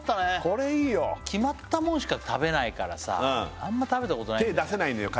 これいいよ決まったもんしか食べないからさあんま食べたことない手出せないのよ